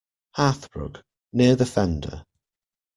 Hearthrug, near the fender.